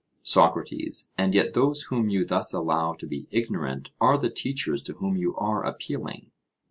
SOCRATES: And yet those whom you thus allow to be ignorant are the teachers to whom you are appealing.